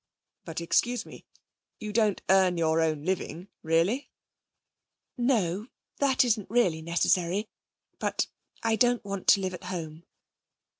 'But, excuse me you don't earn your own living really?' 'No, that isn't really necessary. But I don't want to live at home.'